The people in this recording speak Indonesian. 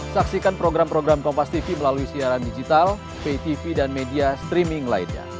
saksikan program program kompas tv melalui siaran digital pay tv dan media streaming lainnya